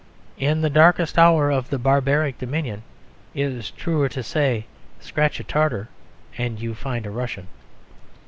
In the darkest hour of the barbaric dominion it was truer to say, "Scratch a Tartar and you find a Russian."